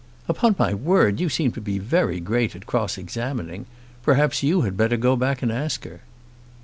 "Upon my word, you seem to be very great at cross examining. Perhaps you had better go back and ask her."